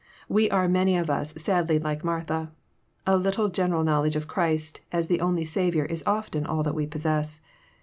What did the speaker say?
We are many of us sadly like Martha. A little general knowledge of Christ as the only Saviour is often all that we possess.